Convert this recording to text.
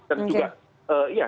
dan juga ya